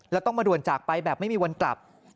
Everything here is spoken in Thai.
แล้วต้องมาด่วนจากไปแบบไม่มีวันกลับ